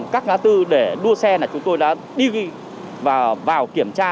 các ngá tư để đua xe này chúng tôi đã đi vào kiểm tra